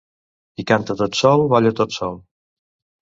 Qui canta tot sol balla tot sol.